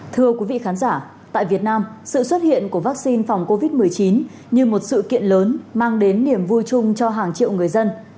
thưa quý vị khán giả tại việt nam sự xuất hiện của vaccine phòng covid một mươi chín như một sự kiện lớn mang đến niềm vui chung cho hàng triệu người dân